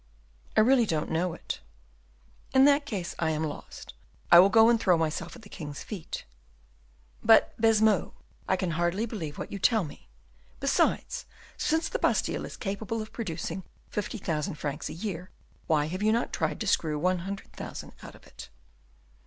"I really don't know it." "In that case I am lost. I will go and throw myself at the king's feet." "But, Baisemeaux, I can hardly believe what you tell me; besides, since the Bastile is capable of producing fifty thousand francs a year, why have you not tried to screw one hundred thousand out of it?"